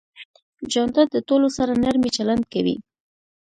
جانداد د ټولو سره نرمي چلند کوي.